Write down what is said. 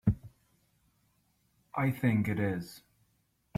I think it is.